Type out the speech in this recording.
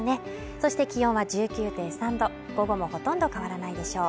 そして気温は１９．３度、午後もほとんど変わらないでしょう。